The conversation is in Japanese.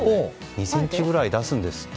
２ｃｍくらい出すんですって。